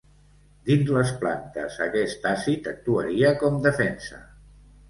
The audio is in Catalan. Dins les plantes aquest àcid actuaria com defensa.